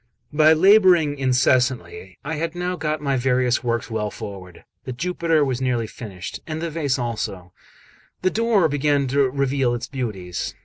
XXXVIII BY labouring incessantly I had now got my various works well forward; the Jupiter was nearly finished, and the vase also; the door began to reveal its beauties.